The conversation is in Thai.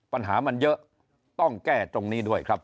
ปัญหามันเยอะต้องแก้ตรงนี้ด้วยครับ